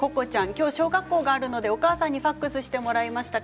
今日、小学校があるのでお母さんにファックスしてもらいました。